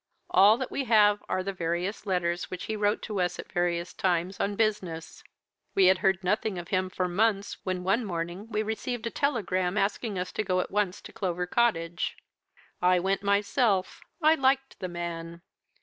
All that we have are the various letters which he wrote to us at various times, on business. We had heard nothing of him for months, when one morning we received a telegram asking us to go at once to Clover Cottage. I went myself I liked the man.